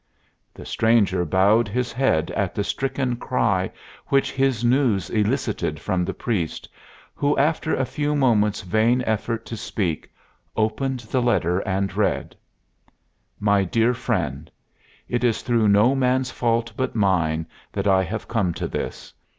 The stranger bowed his head at the stricken cry which his news elicited from the priest, who, after a few moments' vain effort to speak, opened the letter and read: My dear Friend, It is through no man's fault but mine that I have come to this.